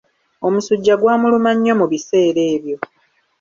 Omusujja gwamuluma nnyo mu biseera ebyo.